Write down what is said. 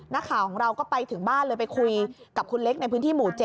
นักข่าวของเราก็ไปถึงบ้านเลยไปคุยกับคุณเล็กในพื้นที่หมู่๗